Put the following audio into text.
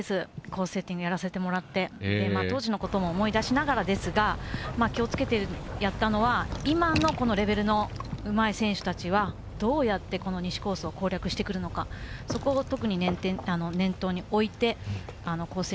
コースセッティングをやらせてもらって、当時のことも思い出しながらですが、気をつけてやったのは、今のレベルのうまい選手たちはどうやって西コースを攻略してくるのか、そこを特に念頭においてコース